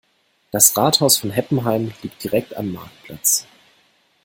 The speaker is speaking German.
Das Rathaus von Heppenheim liegt direkt am Marktplatz.